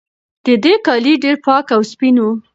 د ده کالي ډېر پاک او سپین وو.